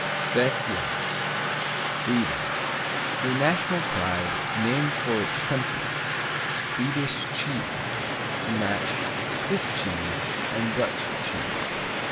Sveciaost Sweden A national pride, named for its country, Swedish cheese, to match Swiss cheese and Dutch cheese.